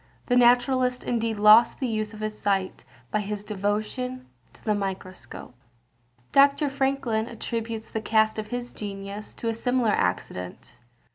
This naturalist indeed lost the use of his sight by his devotion to the microscope. Dr. Franklin attributes the cast of his genius to a similar accident.